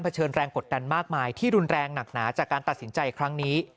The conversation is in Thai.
เชิญแรงกดดันมากมายที่รุนแรงหนักหนาจากการตัดสินใจครั้งนี้